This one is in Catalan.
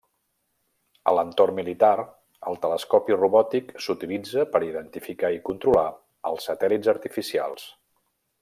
A l'entorn militar, el telescopi robòtic s'utilitza per identificar i controlar els satèl·lits artificials.